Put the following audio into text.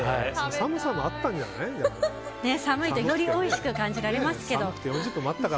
寒いと、よりおいしく感じられますけど。